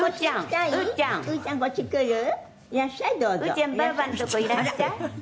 「うーちゃんばあばのとこいらっしゃい」